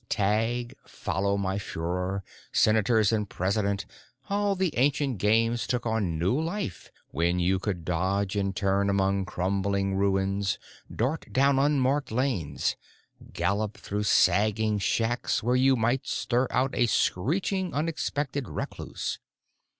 "Tag," "Follow My Fuehrer," "Senators and President"—all the ancient games took on new life when you could dodge and turn among crumbling ruins, dart down unmarked lanes, gallop through sagging shacks where you might stir out a screeching, unexpected recluse.